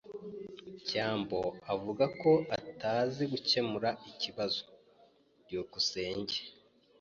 byambo avuga ko atazi gukemura ikibazo. byukusenge